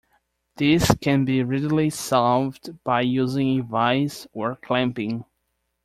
This can be readily solved by using a vise or clamping.